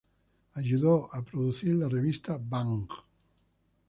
Ayudó a producir la revista "Bang!